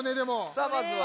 さあまずは。